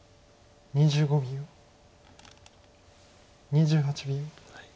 ２８秒。